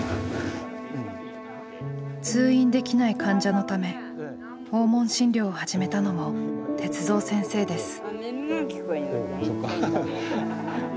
通院できない患者のため訪問診療を始めたのも鉄三先生です。